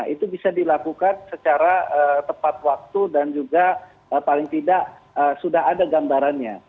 itu bisa dilakukan secara tepat waktu dan juga paling tidak sudah ada gambarannya